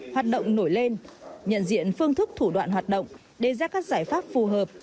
hoạt động nổi lên nhận diện phương thức thủ đoạn hoạt động đề ra các giải pháp phù hợp